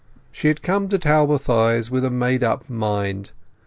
She had come to Talbothays with a made up mind.